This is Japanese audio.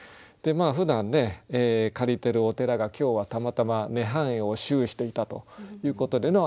でまあふだん借りてるお寺が今日はたまたま涅槃会を修していたということで。